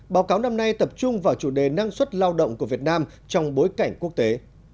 báo cáo năm nay tập trung vào chủ đề năng suất lao động của việt nam trong bối cảnh quốc tế